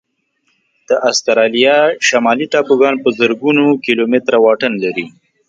د استرالیا شمالي ټاپوګان په زرګونو کيلومتره واټن کې دي.